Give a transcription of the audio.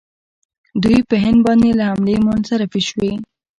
دوی په هند باندې له حملې منصرفې شوې.